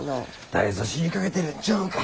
誰ぞ死にかけてるんちゃうんか？